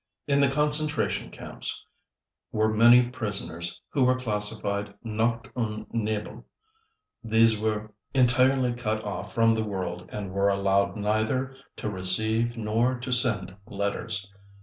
In the concentration camps were many prisoners who were classified "Nacht und Nebel". These were entirely cut off from the world and were allowed neither to receive nor to send letters.